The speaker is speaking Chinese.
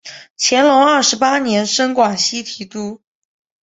乾隆二十八年升广西提督。